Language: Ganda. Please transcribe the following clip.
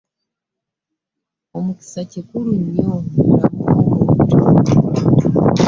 Omukisa kikulu nnyo mu bulamu bw'omuntu.